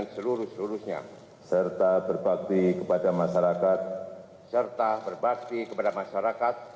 serta berbakti kepada masyarakat